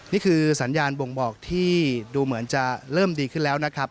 นี่คือสัญญาณบ่งบอกที่ดูเหมือนจะเริ่มดีขึ้นแล้วนะครับ